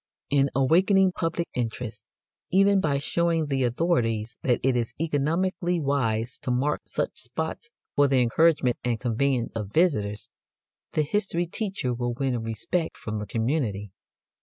In awakening public interest, even by showing the authorities that it is economically wise to mark such spots for the encouragement and convenience of visitors, the history teacher will win respect from the community.